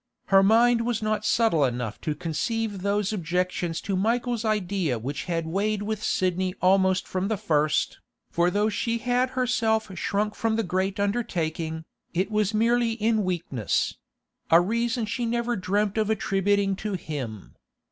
Her mind was not subtle enough to conceive those objections to Michael's idea which had weighed with Sidney almost from the first, for though she had herself shrunk from the great undertaking, it was merely in weakness—a reason she never dreamt of attributing to him.